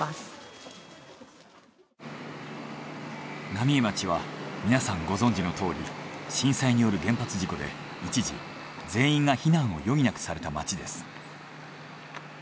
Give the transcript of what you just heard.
浪江町は皆さんご存じのとおり震災による原発事故で一時全員が避難を余儀なくされた町です。